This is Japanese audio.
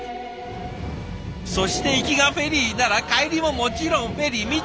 そして行きがフェリーなら帰りももちろんフェリー。